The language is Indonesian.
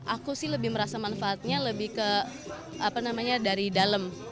aku sih lebih merasa manfaatnya lebih ke apa namanya dari dalam